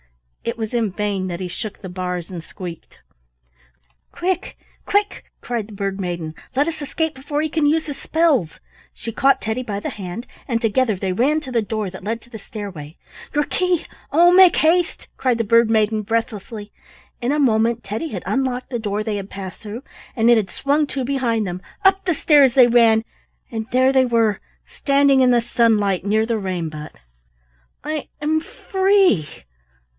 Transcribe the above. It was in vain that he shook the bars and squeaked. "Quick! quick!" cried the Bird maiden, "let us escape before he can use his spells." She caught Teddy by the hand, and together they ran to the door that led to the stairway. "Your key! Oh, make haste!" cried the Bird maiden, breathlessly. In a moment Teddy had unlocked the door they had passed through, and it had swung to behind them. Up the stairs they ran, and there they were standing in the sunlight near the rain butt. "I am free!